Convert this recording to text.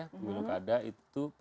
pemilu kada itu